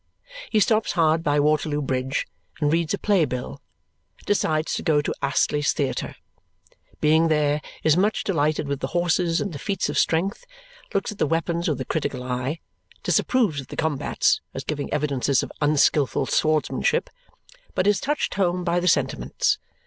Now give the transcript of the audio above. He stops hard by Waterloo Bridge and reads a playbill, decides to go to Astley's Theatre. Being there, is much delighted with the horses and the feats of strength; looks at the weapons with a critical eye; disapproves of the combats as giving evidences of unskilful swordsmanship; but is touched home by the sentiments.